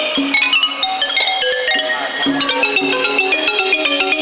พิเศษสะสาง